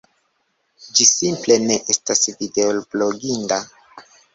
Ĝi simple ne estas videobloginda...